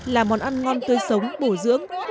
là món ăn ngon tươi sống bổ dưỡng